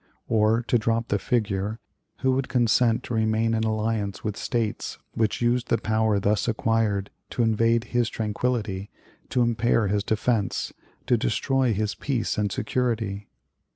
Or, to drop the figure, who would consent to remain in alliance with States which used the power thus acquired to invade his tranquillity, to impair his defense, to destroy his peace and security?